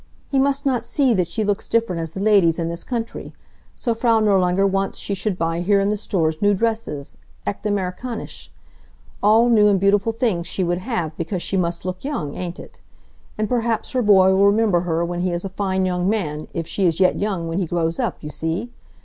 "He must not see that she looks different as the ladies in this country. So Frau Nirlanger wants she should buy here in the stores new dresses echt Amerikanische. All new and beautiful things she would have, because she must look young, ain't it? And perhaps her boy will remember her when he is a fine young man, if she is yet young when he grows up, you see?